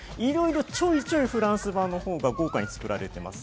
いろいろ、ちょいちょいフランス版のほうが豪華に作られてます。